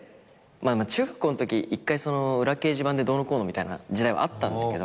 中学校のとき一回裏掲示板でどうのこうのみたいな時代はあったんだけど。